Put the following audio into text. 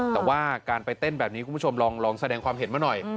แต่ว่าการไปเต้นแบบนี้คุณผู้ชมลองแสดงความเห็นมาหน่อย